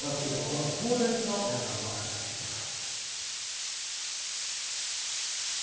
この壮大さを皆さんも味わってください。